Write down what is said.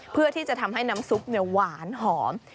เพื่อที่จะทำให้น้ำซุปหวานหอม